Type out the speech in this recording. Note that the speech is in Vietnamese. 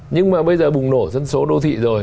nhưng mà bây giờ bùng nổ dân số đô thị rồi